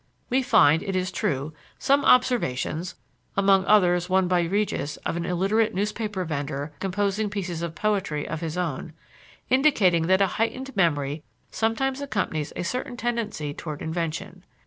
We find, it is true, some observations (among others one by Regis of an illiterate newspaper vender composing pieces of poetry of his own), indicating that a heightened memory sometimes accompanies a certain tendency toward invention.